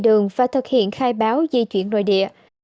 đường và thực hiện khai báo di chuyển nội địa